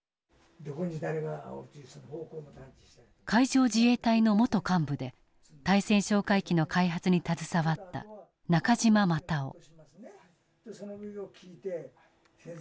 海上自衛隊の元幹部で対潜哨戒機の開発に携わった中島又雄。